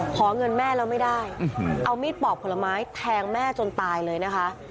ขอเงินแม่แล้วไม่ได้เอามีดปอกผลไม้แทงแม่จนตายเลยนะคะ